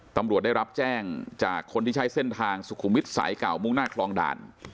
ตำรวจได้รับแจ้งจากคนที่ใช้เส้นทางสุขุมวิทย์สายเก่ามุ่งหน้าคลองด่าน